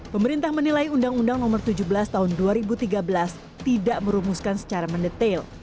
pemerintah menilai undang undang nomor tujuh belas tahun dua ribu tiga belas tidak merumuskan secara mendetail